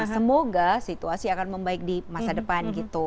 semoga situasi akan membaik di masa depan gitu